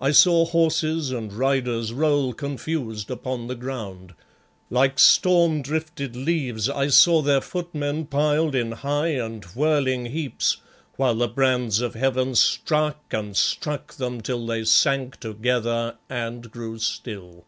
I saw horses and riders roll confused upon the ground; like storm drifted leaves I saw their footmen piled in high and whirling heaps, while the brands of heaven struck and struck them till they sank together and grew still.